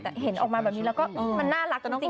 แต่เห็นออกมาแบบนี้แล้วก็มันน่ารักจริงนะคุณนะ